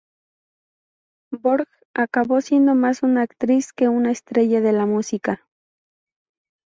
Borg acabó siendo más una actriz que una estrella de la música.